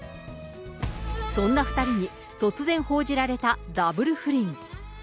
そんな２人に、突然報じられたダブル不倫。